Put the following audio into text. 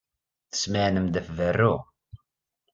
Tesmeɛnem-d ɣef berru.